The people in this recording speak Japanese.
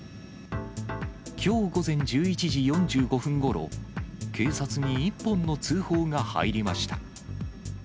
きょう午前１１時４５分ごろ、警察に一本の通報が入りました。